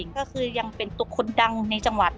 ก็คือยังเป็นตัวคนดังในจังหวัด